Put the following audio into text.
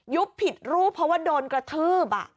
ยุบผิดรูปเพราะว่าโดนกระทืบอ่ะ